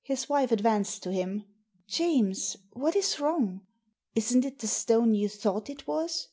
His wife advanced to him. "James, what is wrong? Isn't it the stone you thought it was?"